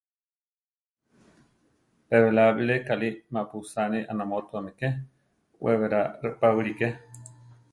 Pe belá bilé kalí mapu usáni anamótuami ké; we berá reʼpa wilíke.